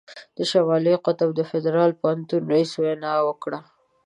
د شمالي قطب د فدرالي پوهنتون رييس وینا وکړه.